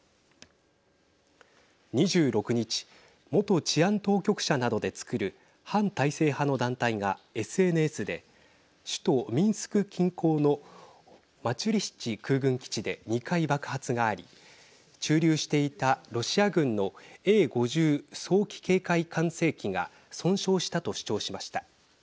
２６日元治安当局者などでつくる反体制派の団体がＳＮＳで首都ミンスク近郊のマチュリシチ空軍基地で２回爆発があり駐留していたロシア軍のＡ５０早期警戒管制機が損傷したと主張しました。